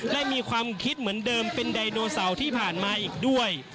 และมีความคิดเหมือนเดิมเป็นไดโนเสาร์ที่ผ่านมาอีกด้วย